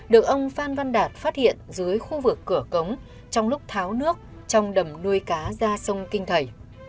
được ông phan văn đạt phát hiện dưới khu vực cửa cống trong lúc tháo nước trong đầm nuôi cá ra sông kinh thầy